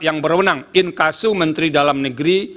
yang berwenang inkasu menteri dalam negeri